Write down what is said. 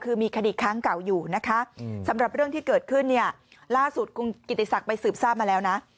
คือมีคดีค้างเก่าอยู่นะคะสำหรับเรื่องที่เกิดขึ้นเนี่ยล่าสุดคุณกิติศักดิ์ไปสืบทราบมาแล้วนะ